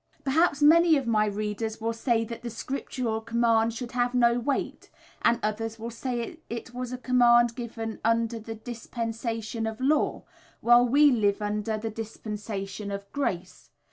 Perhaps many of my readers will say that the Scriptural command should have no weight, and others will say that it was a command given under the "dispensation of Law," while we live under the "dispensation of Grace."